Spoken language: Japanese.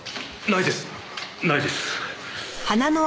ないです。